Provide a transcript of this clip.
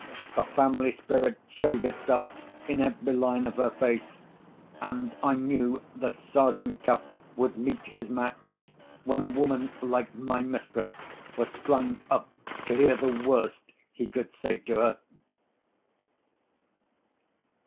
The family spirit showed itself in every line of her face; and I knew that Sergeant Cuff would meet his match, when a woman like my mistress was strung up to hear the worst he could say to her.